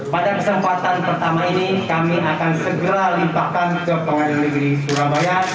pada kesempatan pertama ini kami akan segera limpahkan ke pengadilan negeri surabaya